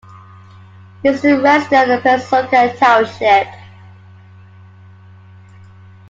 He is a resident of Pennsauken Township.